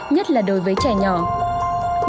nhất là đối với trẻ nhỏ